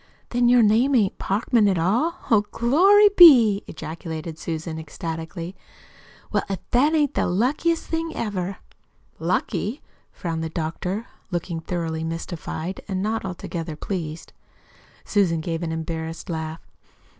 "Then your name ain't Parkman, at all! Oh, glory be!" ejaculated Susan ecstatically. "Well, if that ain't the luckiest thing ever!" "Lucky?" frowned the doctor, looking thoroughly mystified, and not altogether pleased. Susan gave an embarrassed laugh.